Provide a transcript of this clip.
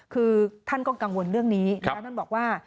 คือท่านก็กังวลเรื่องนี้แล้วท่านบอกว่า